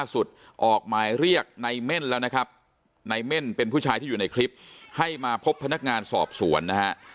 ออกหมายเรียกในเม่นแล้วนะครับในเม่นเป็นผู้ชายที่อยู่ในคลิปให้มาพบพนักงานสอบสวนนะฮะ